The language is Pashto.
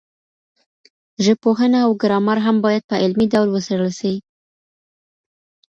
ژبپوهنه او ګرامر هم باید په علمي ډول وڅېړل سي.